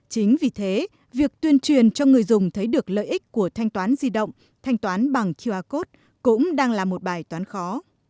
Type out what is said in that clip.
chính vì thế việc tuyên truyền cho người dùng thấy được lợi ích của thanh toán di động thanh toán bằng qr code cũng đang là một bài toán khó